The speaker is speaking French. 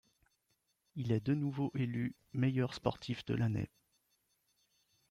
Il est de nouveau élu meilleur sportif de l'année.